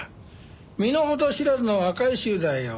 身の程知らずの若い衆だよ。